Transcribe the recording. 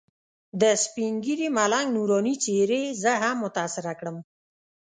د سپین ږیري ملنګ نوراني څېرې زه هم متاثره کړم.